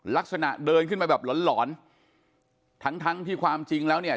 ลักษณะเดินขึ้นมาแบบหลอนหลอนทั้งทั้งที่ความจริงแล้วเนี่ย